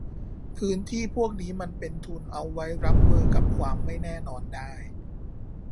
พื้นที่พวกนี้มันเป็นทุนเอาไว้รับมือกับความไม่แน่นอนได้